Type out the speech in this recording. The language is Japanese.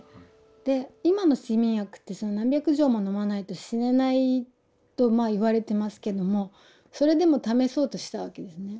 で今の睡眠薬って何百錠も飲まないと死ねないとまあ言われてますけどもそれでも試そうとしたわけですね。